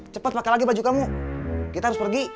cepat pakai lagi baju kamu kita harus pergi